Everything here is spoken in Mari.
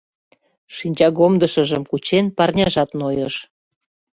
Шинчагомдышыжым кучен, парняжат нойыш.